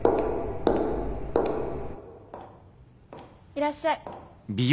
いらっしゃい。